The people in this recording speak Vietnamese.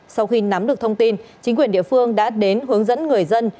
sau khi nắm được thông tin chính quyền địa phương đã đến hướng dẫn người dân